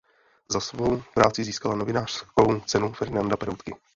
Za svou práci získala novinářskou Cenu Ferdinanda Peroutky.